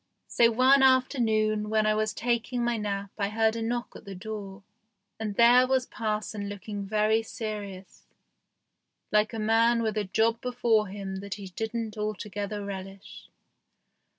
So one afternoon when I was taking my nap I heard a knock at the door, and there was parson looking very serious, like a man with a job before him that he didn't altogether relish.